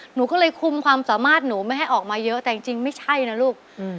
หนูก็เลยคุมความสามารถหนูไม่ให้ออกมาเยอะแต่จริงไม่ใช่นะลูก